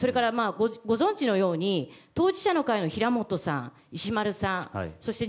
それからご存じのように当事者の会の平本さん、石丸さん